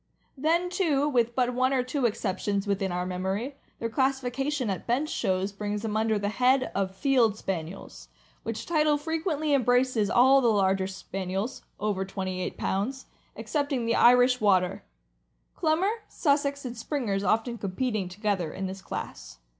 Then, too, with but one or two exceptions, within our memory, their classification at bench shows brings them under the head of l ' Field Spaniels," which title frequently embraces all the larger Spaniels (over twenty eight pounds) excepting the Irish Water; Clumber, Sussex, and Springers often competing together in this class.